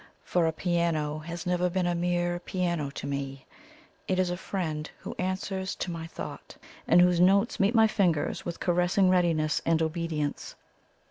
For a piano has never been a mere piano to me; it is a friend who answers to my thought, and whose notes meet my fingers with caressing readiness and obedience.